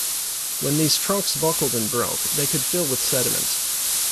When these trunks buckled and broke, they could fill with sediment.